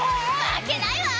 負けないわ！